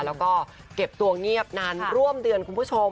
แล้วก็เก็บตัวเงียบนานร่วมเดือนคุณผู้ชม